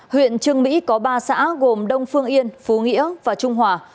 huyện trương mỹ có ba xã gồm đông phương yên phú nghĩa và trung hòa